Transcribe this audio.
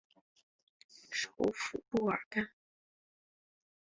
首府布尔干。